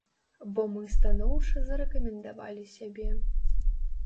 Бо мы станоўча зарэкамендавалі сябе.